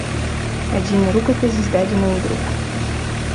Адзін рукапіс здадзены ў друк.